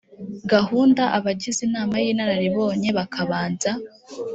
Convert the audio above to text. gahunda abagize inama y inararibonye bakabanza